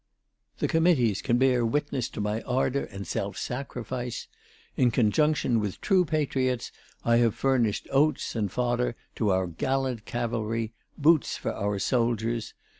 The Committees can bear witness to my ardour and self sacrifice. In conjunction with true patriots, I have furnished oats and fodder to our gallant cavalry, boots for our soldiers.